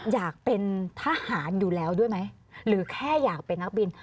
อยากเป็นทหารอยู่แล้วด้วยไหมหรือแค่อยากเป็นนักบิน